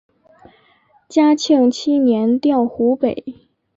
嘉庆七年调湖北。